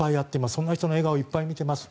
そんな人の笑顔をいっぱい見ています。